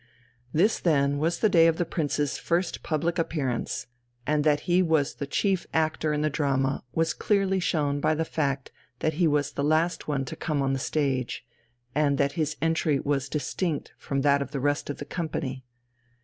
This, then, was the day of the prince's first public appearance, and that he was the chief actor in the drama was clearly shown by the fact that he was the last to come on the stage, and that his entry was distinct from that of the rest of the company.